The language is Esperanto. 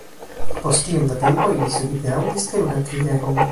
Post iom da tempo ili subite aŭdis teruran kriegon.